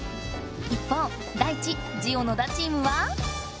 一方ダイチ・ジオ野田チームは。